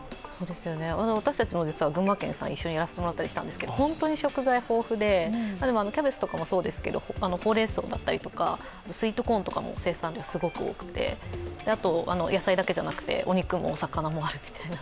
私たちも実は群馬県さん、一緒にやらせてもらったりしたんですけど、本当に食材が豊富で、キャベツとかもそうですけれども、ホウレンソウだったりとかスイートコーンとかも生産量がすごく多くて野菜だけじゃなくてお肉もお魚もあるみたいな。